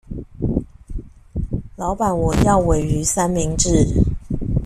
老闆我要鮪魚三明治